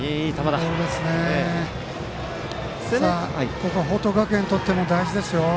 ここは報徳学園にとっても大事ですよ。